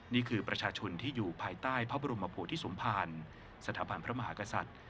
นี่คือประชาชนที่อยู่ภายใต้พระบรมโพธิสมภารสถาบันพระมหากษัตริย์